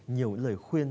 nhiều lời khuyên